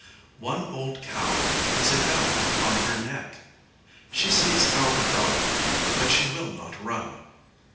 One old cow has a bell on her neck. She sees our dog, but she will not run.